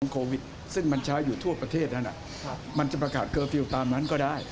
โควิดซึ่งมันใช้อยู่ทั่วประเทศนั้นมันจะประกาศเคอร์ฟิลล์ตามนั้นก็ได้